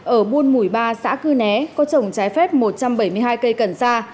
ở buôn mùi ba xã cư né có trồng trái phép một trăm bảy mươi hai cây cần xa